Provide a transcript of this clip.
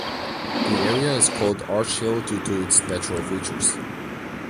The area is called Arch Hill due to its "natural features".